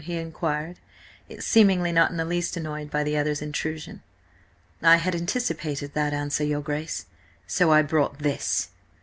he inquired, seemingly not in the least annoyed by the other's intrusion. "I had anticipated that answer, your Grace. So I brought this!"